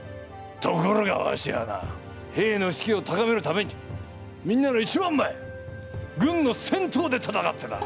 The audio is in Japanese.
ところがわしはな兵の士気を高めるためにみんなの一番前軍の先頭で戦ってた。